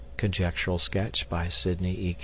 (Conjectural sketch by Sidney E.